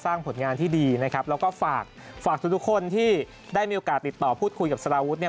สร้างผลงานที่ดีนะครับแล้วก็ฝากทุกคนที่ได้มีโอกาสติดต่อพูดคุยกับสลาวุธเนี่ย